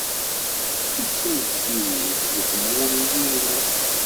Yettunefk-iyi-d deg umulli-inu.